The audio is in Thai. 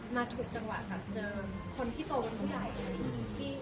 มาถูกจังหวะกับเจอคนที่โตก่อนใหญ่